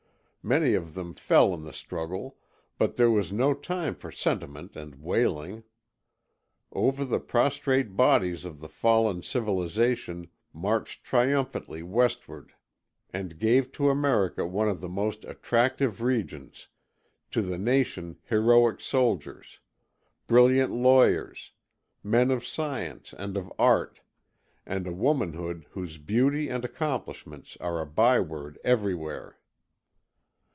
Many of them fell in the struggle; but there was no time for sentiment and wailing. Over the prostrate bodies of the fallen civilization marched triumphantly westward and gave to America one of the most attractive regions, to the nation heroic soldiers, brilliant lawyers, men of science and of art, and a womanhood whose beauty and accomplishments are a byword everywhere.